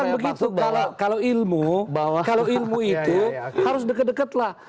bukan begitu kalau ilmu itu harus dekat dekat lah